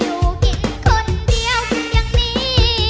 อยู่กันคนเดียวอย่างนี้